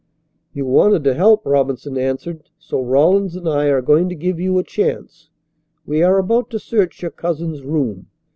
"You wanted to help," Robinson answered, "so Rawlins and I are going to give you a chance. We are about to search your cousin's room.